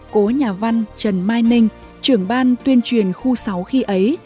cố nhà văn trần mai ninh trưởng ban tuyên truyền khu sáu khi ấy